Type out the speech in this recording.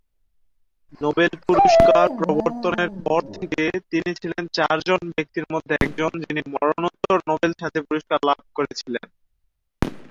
Nobel পুরস্কার প্রবর্তনের পর থেকে তিনি ছিলেন চার জন ব্যক্তির মধ্যে একজন, যিনি মরণোত্তর নোবেল শান্তি পুরস্কার লাভ করেছিলেন।